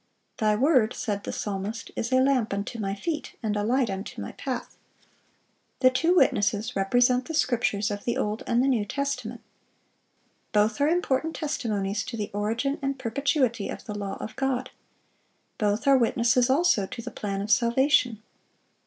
"Thy word," said the psalmist, "is a lamp unto my feet, and a light unto my path."(388) The two witnesses represent the Scriptures of the Old and the New Testament. Both are important testimonies to the origin and perpetuity of the law of God. Both are witnesses also to the plan of salvation.